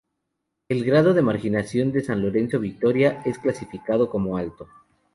El grado de marginación de San Lorenzo Victoria es clasificado como Alto.